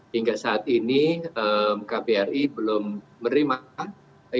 hingga saat ini kbri belum menerima informasi